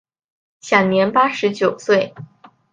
享年八十九岁。